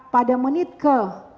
pada menit ke